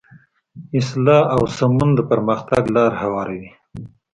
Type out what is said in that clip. اصلاح او سمون د پرمختګ لاره هواروي.